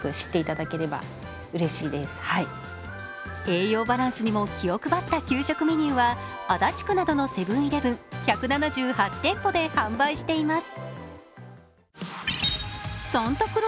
栄養バランスにも気を配った給食メニューは足立区などのセブン−イレブン１７８店舗で販売しています。